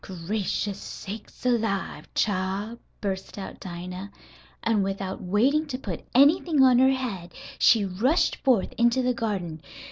"Gracious sakes alive, chile!" burst out Dinah, and without waiting to put anything on her head she rushed forth into the garden.